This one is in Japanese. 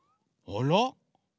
あら？